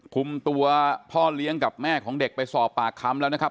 คุมตัวพ่อเลี้ยงกับแม่ของเด็กไปสอบปากคำแล้วนะครับ